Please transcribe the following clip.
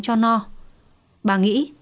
cho no bà nghĩ